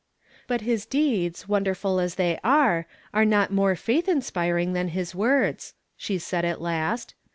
" But his deeds, wonderful as they are, are not more faith inspiring than his words," she said at last.